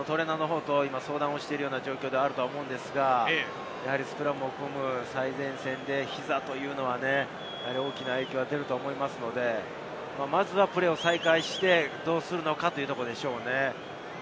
トレーナーと相談しているような状況だと思うのですが、スクラムを組む最前線で膝というのはね、大きな影響が出ると思いますので、まずはプレーを再開してどうするのかというところでしょう。